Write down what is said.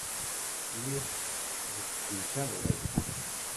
Lliɣ deg temkarḍit.